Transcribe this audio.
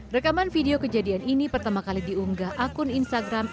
rekaman video kejadian ini pertama kali diunggah akun instagram